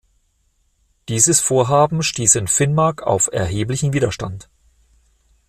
Dieses Vorhaben stieß in Finnmark auf erheblichen Widerstand.